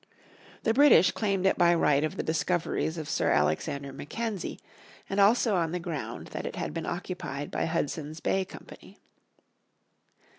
The British claimed it by right of the discoveries of Sir Alexander Mackenzie, and also on the ground that it had been occupied by Hudson's Bay Company.